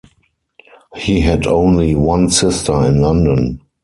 He had only one sister in London.